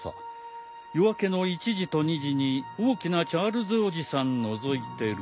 夜明けの１時と２時に大きなチャールズおじさん覗いてる。